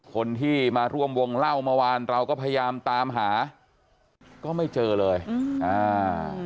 คนที่มาร่วมวงเล่าเมื่อวานเราก็พยายามตามหาก็ไม่เจอเลยอืมอ่า